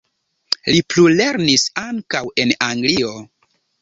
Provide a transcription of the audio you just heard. Li plulernis ankaŭ en Anglio.